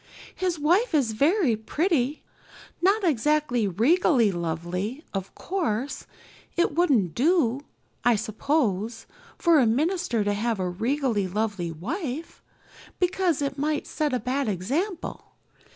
His wife is very pretty. Not exactly regally lovely, of course it wouldn't do, I suppose, for a minister to have a regally lovely wife, because it might set a bad example.